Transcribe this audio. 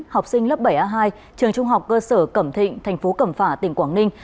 học sinh lớp bảy a hai trường trung học cơ sở cẩm thịnh thành phố cẩm phả tỉnh quảng ninh